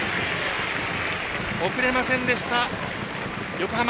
送れませんでした、横浜。